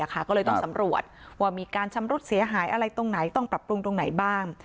ก็เลยต้องสำรวจว่ามีการชำรุดเสียหายอะไรตรงไหนต้องปรับปรุงตรงไหนบ้าง